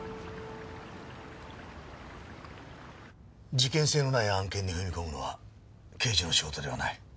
事件性のない案件に踏み込むのは刑事の仕事ではない。